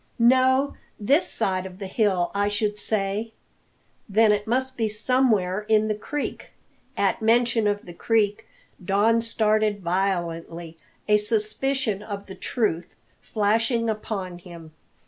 "No; this side of the hill, I should say." "Then it must be somewhere in the creek." At mention of the creek Don started violently, a suspicion of the truth flashing upon him.